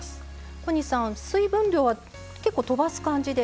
小西さん水分量は結構とばす感じで？